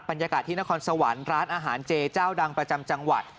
บรรยากาศที่นครสวรรค์ร้านอาหารเจเจ้าดังประจำจังหวัด